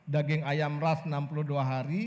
daging ayam ras enam puluh dua hari